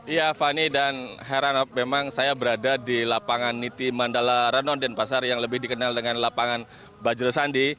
ya fani dan herano memang saya berada di lapangan niti mandala renon denpasar yang lebih dikenal dengan lapangan bajro sandi